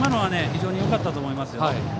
非常によかったと思います。